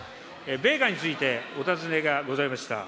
米価についてお尋ねがございました。